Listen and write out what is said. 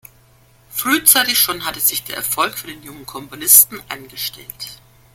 Frühzeitig schon hatte sich der Erfolg für den jungen Komponisten eingestellt.